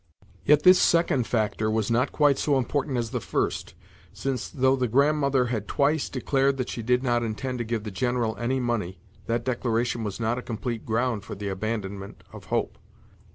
Yet this second factor was not quite so important as the first, since, though the Grandmother had twice declared that she did not intend to give the General any money, that declaration was not a complete ground for the abandonment of hope.